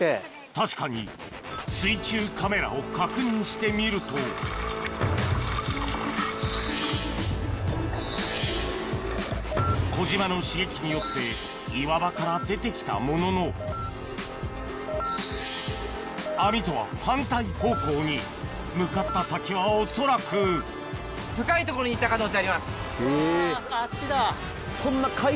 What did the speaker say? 確かに水中カメラを確認してみると小島の刺激によって岩場から出てきたものの網とは反対方向に向かった先は恐らくあっちだ。